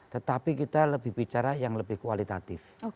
tetapi kita lebih bicara yang lebih kualitatif